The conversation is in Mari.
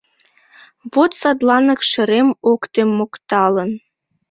Вот садланак шерем ок тем мокталын